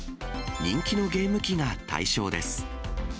人気のゲーム機が対象です。